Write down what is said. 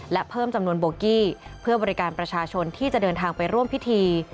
และเพิ่มจำนวนโบกี้เพื่อบริการประชาชนที่จะเดินทางไปร่วมพิธี